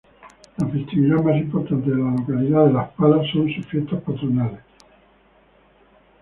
La festividad más importante de la localidad de Las Palas son sus fiestas patronales.